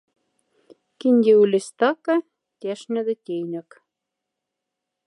Кинди ули стака — тяштеда тейнек.